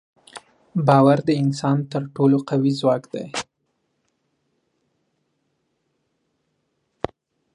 باور د انسان تر ټولو قوي ځواک دی.